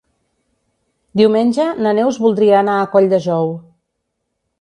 Diumenge na Neus voldria anar a Colldejou.